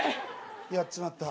やっちまった。